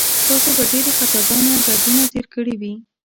تاسو به ډېرې خطاګانې او دردونه تېر کړي وي.